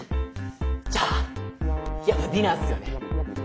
じゃあやっぱディナーっすよね。